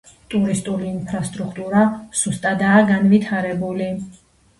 ტურისტული ინფრასტრუქტურა სუსტადაა განვითარებული.